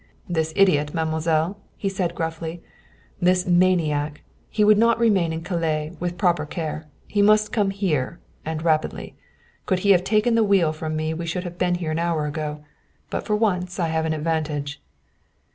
"This idiot, mademoiselle," he said gruffly, "this maniac he would not remain in Calais, with proper care. He must come on here. And rapidly. Could he have taken the wheel from me we should have been here an hour ago. But for once I have an advantage."